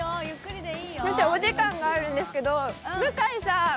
お時間があるんですけど、向井さん